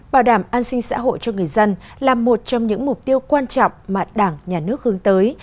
bảo đảm an sinh xã hội cho người dân là một trong những mục tiêu quan trọng mà đảng nhà nước hướng tới